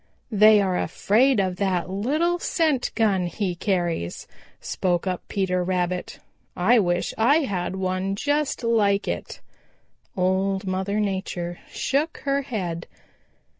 "They are afraid of that little scent gun he carries," spoke up Peter Rabbit. "I wish I had one just like it." Old Mother Nature shook her head.